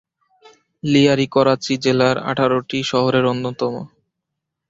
লিয়ারি করাচী জেলার আঠারোটি শহরের অন্যতম।